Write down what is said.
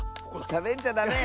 しゃべっちゃダメ！